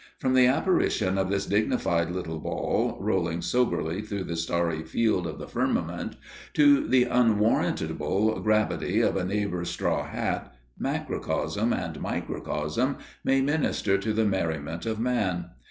From the apparition of this dignified little ball, rolling soberly through the starry field of the firmament, to the unwarrantable gravity of a neighbour's straw hat, macrocosm and microcosm may minister to the merriment of man.